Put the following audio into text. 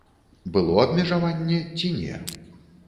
Было абмежаванне ці не.